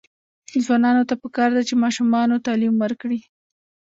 ځوانانو ته پکار ده چې، ماشومانو تعلیم ورکړي.